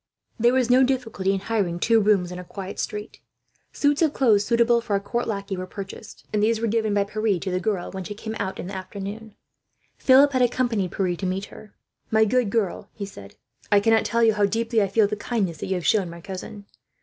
There was no difficulty in hiring two rooms in a quiet street. Suits of clothes suitable for a court lackey were purchased, and these were given by Pierre to the girl, when she came out in the afternoon. Philip had accompanied Pierre to meet her. "My good girl," he said, "I cannot tell you how deeply I feel the kindness that you have shown my cousin.